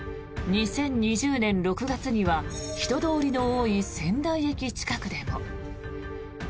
２０２０年６月には人通りの多い仙台駅近くでも。